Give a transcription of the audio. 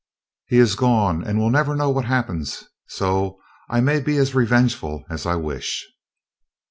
"He is gone and will never know what happens, so I may be as revengeful as I wish."